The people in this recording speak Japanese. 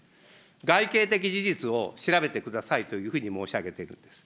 外形的事実を調べてくださいというふうに申し上げているんです。